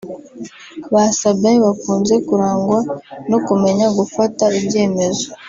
Ba Sabin bakunze kurangwa no kumenya gufata ibyemezo